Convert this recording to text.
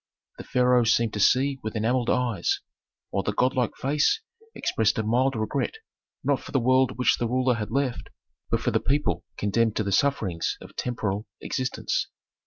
The pharaoh seemed to see with enamelled eyes, while the godlike face expressed a mild regret, not for the world which the ruler had left, but for the people condemned to the sufferings of temporal existence.